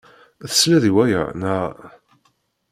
Tesliḍ i waya, naɣ?